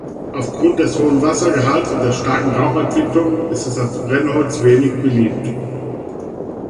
Aufgrund des hohen Wassergehalts und der starken Rauchentwicklung ist es als Brennholz wenig beliebt.